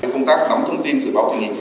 công tác nắm thông tin dự báo tình hình